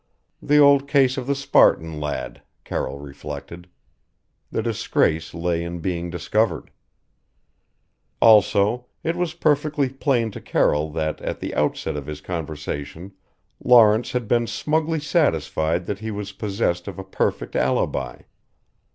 The old case of the Spartan lad Carroll reflected. The disgrace lay in being discovered. Also, it was perfectly plain to Carroll that at the outset of his conversation Lawrence had been smugly satisfied that he was possessed of a perfect alibi.